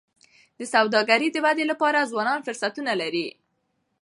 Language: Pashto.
د سوداګری د ودي لپاره ځوانان فرصتونه لري.